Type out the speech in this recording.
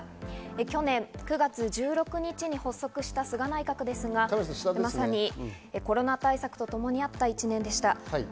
去年９月１６日に発足した菅内閣ですが、まさにコロナ対策とともにあった内閣でした。